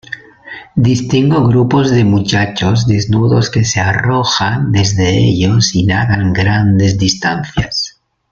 distingo grupos de muchachos desnudos que se arrojan desde ellos y nadan grandes distancias